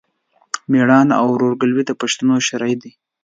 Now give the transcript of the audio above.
مېړانه او ورورګلوي د پښتنو شری دی.